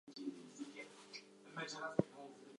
She pierces the effigy with little arrows from a blowgun.